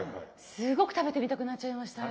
すごく食べてみたくなっちゃいましたあれ。